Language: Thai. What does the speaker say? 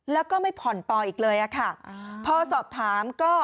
แล้วก็ไม่ผ่อนต่ออีกเลยอะค่ะพอสอบถามก็